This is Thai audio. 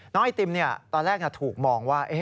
ไอติมตอนแรกถูกมองว่า